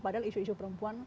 padahal isu isu perempuan